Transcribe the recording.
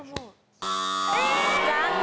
残念！